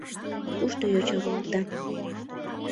— Кушто йоча-влакда?